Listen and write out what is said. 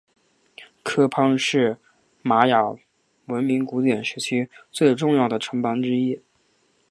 科潘是玛雅文明古典时期最重要的城邦之一。